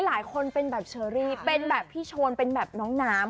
หลายคนเป็นแบบเชอรี่เป็นแบบพี่โชนเป็นแบบน้องน้ำ